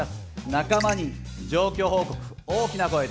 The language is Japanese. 仲間に状況報告大きな声で。